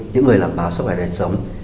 những người làm báo sức khỏe đời sống